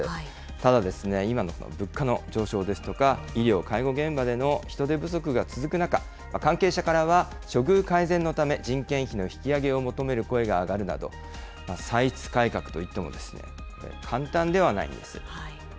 ただですね、今の物価の上昇ですとか、医療・介護現場での人手不足が続く中、関係者からは、処遇改善のため、人件費の引き上げを求める声が上がるなど、歳出改革といっても簡単ではないんです。